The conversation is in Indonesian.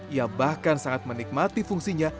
ia bahkan sangat menikmati fungsinya